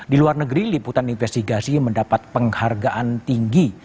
di luar negeri liputan investigasi mendapat penghargaan tinggi